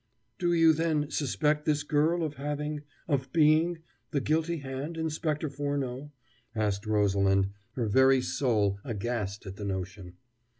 "Do you, then, suspect this girl of having of being the guilty hand, Inspector Furneaux?" asked Rosalind, her very soul aghast at the notion.